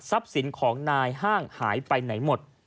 สินของนายห้างหายไปไหนหมด